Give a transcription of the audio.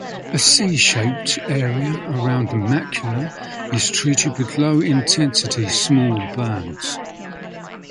A 'C' shaped area around the macula is treated with low intensity small burns.